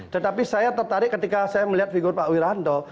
tetapi saya tertarik ketika saya melihat figur pak wiranto